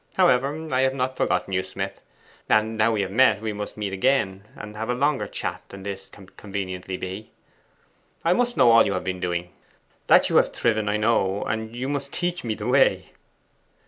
However, I have not forgotten you, Smith. And now we have met; and we must meet again, and have a longer chat than this can conveniently be. I must know all you have been doing. That you have thriven, I know, and you must teach me the way.